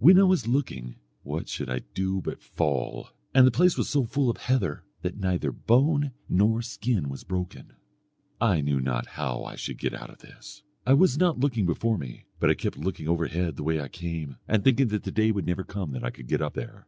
When I was looking, what should I do but fall; and the place was so full of heather, that neither bone nor skin was broken. I knew not how I should get out of this. I was not looking before me, but I kept looking overhead the way I came and thinking that the day would never come that I could get up there.